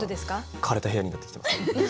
枯れた部屋になってきてます。